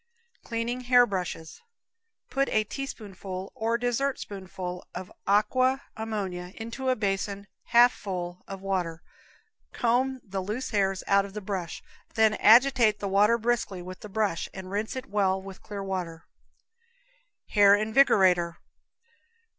Cleaning Hair Brushes. Put a teaspoonful or dessertspoonful of aqua ammonia into a basin half full of water, comb the loose hairs out of the brush, then agitate the water briskly with the brush, and rinse it well with clear water. Hair Invigorator.